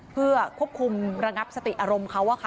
เพื่อควบคุมระงับสติอารมณ์เขา